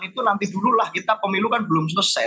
itu nanti dulu lah kita pemilu kan belum selesai